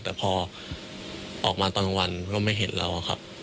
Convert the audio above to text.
แต่พอออกมาตอนกลางวันก็ไม่เห็นเราอะครับ